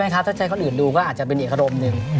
ถ้าใช้คนอื่นนูก็อาจจะเป็นเอกลมหนึ่ง